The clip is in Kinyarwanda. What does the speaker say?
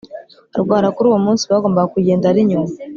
arwara Kuri uwo munsi bagombaga kugenda ari nyuma